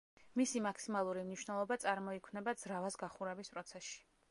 მისი მაქსიმალური მნიშვნელობა წარმოიქმნება ძრავას გახურების პროცესში.